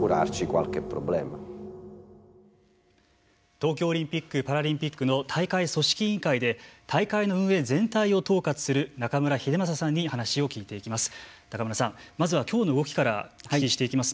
東京オリンピック・パラリンピックの大会組織委員会で大会の運営全体を統括する中村英正さんに話を聞いていきます。